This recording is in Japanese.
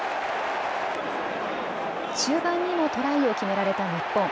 終盤にもトライを決められた日本。